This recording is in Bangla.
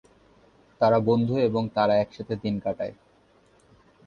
তারা বন্ধু এবং তারা একসাথে দিন কাটায়।